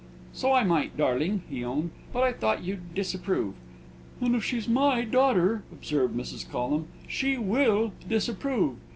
"So I might, darling," he owned; "but I thought you'd disapprove." "And if she's my daughter," observed Mrs. Collum, "she will disapprove."